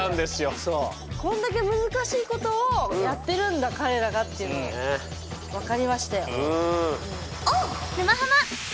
こんだけ難しいことをやってるんだ彼らがっていうのを分かりましたよ。